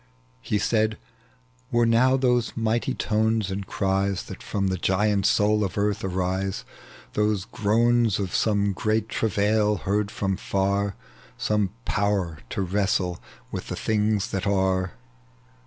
He said, "Were now those mighty tones and cries That from the giant soul of earth arise, Those groans of some great travai! heard from far, Some power at wrestle with the things that are.